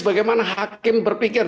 bagaimana hakim berpikir